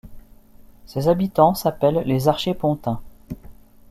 Ses habitants s'appellent les Archépontains.